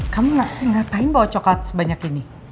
kamu ngapain bawa coklat sebanyak ini